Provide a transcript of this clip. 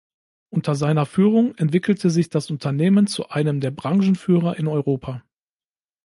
Unter seiner Führung entwickelte sich das Unternehmen zu einem der Branchenführer in Europa.